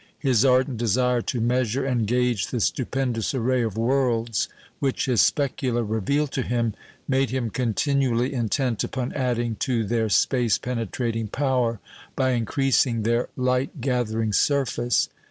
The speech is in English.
His ardent desire to measure and gauge the stupendous array of worlds which his specula revealed to him, made him continually intent upon adding to their "space penetrating power" by increasing their light gathering surface.